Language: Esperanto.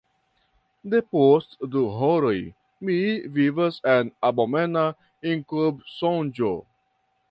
Depost du horoj mi vivas en abomena inkubsonĝo.